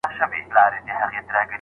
و تاته چا زما غلط تعريف کړی و خدايه!